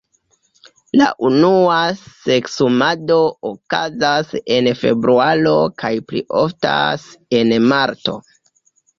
La unua seksumado okazas en februaro kaj pli oftas en marto.